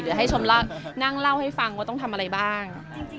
เดี๋ยวให้ชมนั่งเล่าให้ฟังว่าต้องทำอะไรบ้าง